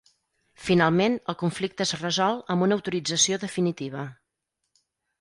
Finalment, el conflicte es resol amb una autorització definitiva.